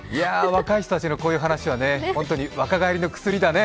若い人達のこういう話は、本当に若返りの薬だね。